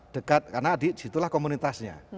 dekat karena di situlah komunitasnya